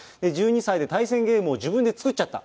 １２歳で対戦ゲームを自分で作っちゃった。